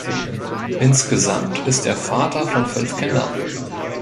Insgesamt ist er Vater von fünf Kindern.